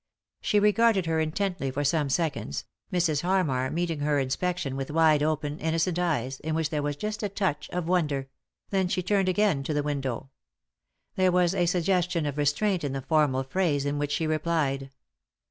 She regarded her intently for some seconds, Mrs. Harmar meeting her inspection with wide open, innocent eyes, in which there was just a touch of wonder ; then she turned again to the window. There was a suggestion of restraint in the formal phrase in which she re plied.